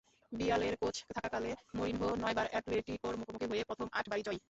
রিয়ালের কোচ থাকাকালে মরিনহো নয়বার অ্যাটলেটিকোর মুখোমুখি হয়ে প্রথম আটবারই জয়ী।